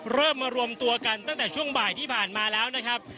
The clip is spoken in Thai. เริ่มมารวมตัวกันตั้งแต่ช่วงบ่ายที่ผ่านมาแล้วนะครับ